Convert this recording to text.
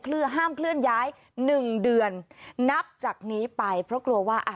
คือห้ามเคลื่อนย้ายหนึ่งเดือนนับจากนี้ไปเพราะกลัวว่าอ่ะ